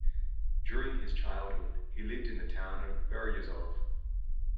During his childhood he lived in the town of Beryozov.